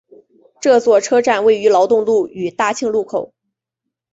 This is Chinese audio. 这座车站位于劳动路与大庆路口。